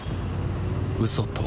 嘘とは